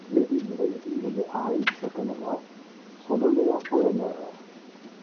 Les villes de Melville et de Hays au Canada sont nommées en son honneur.